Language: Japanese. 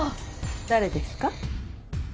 誰ですか？